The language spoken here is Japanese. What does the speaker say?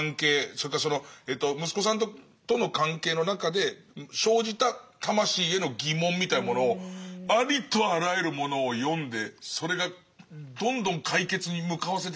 それから息子さんとの関係の中で生じた魂への疑問みたいなものをありとあらゆるものを読んでそれがどんどん解決に向かわせてくれたんでしょうね。